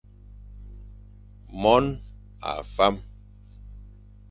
Mon a fam.